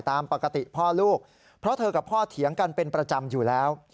ตามปกติพ่อลูกเพราะเธอกับพ่อเถียงกันเป็นประจำอยู่แล้ว